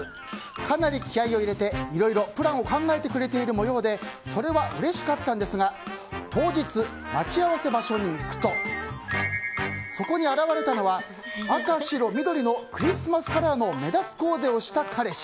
かなり気合を入れていろいろプランを考えてくれているもようでそれはうれしかったんですが当日、待ち合わせ場所に行くとそこに現れたのは赤、白、緑のクリスマスカラーの目立つコ−デをした彼氏。